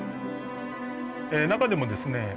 中でもですね